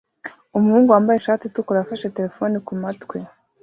Umuhungu wambaye ishati itukura afashe terefone kumatwi